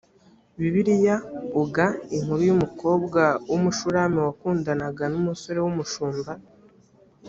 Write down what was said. bibiliya uga inkuru y umukobwa w umushulami wakundanaga n umusore w umushumba